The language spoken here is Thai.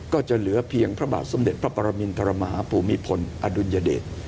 ก็จะเหลือเพียงพระบาทสมเด็จพระปรมินทรมาฮาภูมิพลอดุลยเดช